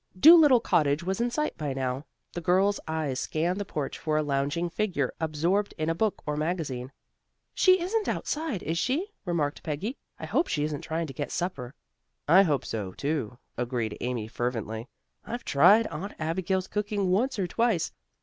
Dolittle Cottage was in sight by now. The girls' eyes scanned the porch for a lounging figure absorbed in a book or magazine. "She isn't outside, is she?" remarked Peggy. "I hope she isn't trying to get supper." "I hope so, too," agreed Amy fervently. "I've tried Aunt Abigail's cooking once or twice."